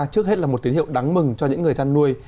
trước hết là một tín hiệu đáng mừng cho những người chăn nuôi